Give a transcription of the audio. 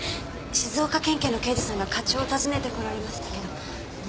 静岡県警の刑事さんが課長を訪ねて来られましたけど。